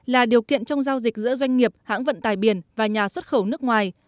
là điều kiện trong giao dịch giữa doanh nghiệp hãng vận tài biển và nhà xuất khẩu nước ngoài